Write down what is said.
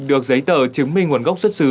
được giấy tờ chứng minh nguồn gốc xuất xứ